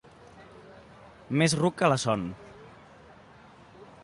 Més ruc que la son.